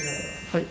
はい。